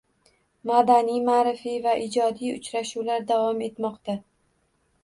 Madaniy-ma’rifiy va ijodiy uchrashuvlar davom etmoqda...